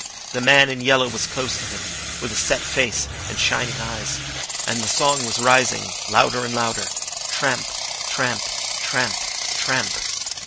The man in yellow was close to him, with a set face and shining eyes. And the song was rising, louder and louder; tramp, tramp, tramp, tramp.